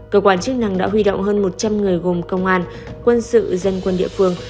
cơ quan chức năng đã huy động hơn một trăm linh người gồm công an quân sự dân quân địa phương